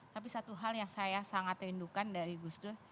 tapi satu hal yang saya sangat rindukan dari gus dur